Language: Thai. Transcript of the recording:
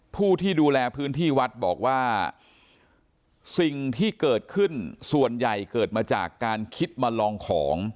ผู้ที่ดูแลพื้นที่วัดบอกว่าสิ่งที่เกิดขึ้นส่วนใหญ่เกิดมาจากการคิดมาลองของ